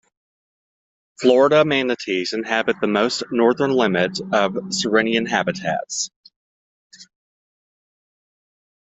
Florida manatees inhabit the most northern limit of sirenian habitats.